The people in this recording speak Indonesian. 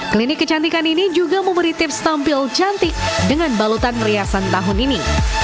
klinik kecantikan ini juga memberi tips tampil cantik dengan balutan meriasan tahun ini